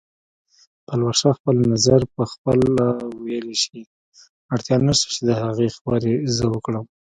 پلوشه خپل نظر پخپله ویلی شي، اړتیا نشته چې د هغې خبرې زه وکړم